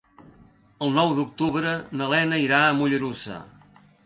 El nou d'octubre na Lena irà a Mollerussa.